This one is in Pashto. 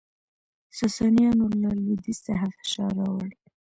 ساسانیانو له لویدیځ څخه فشار راوړ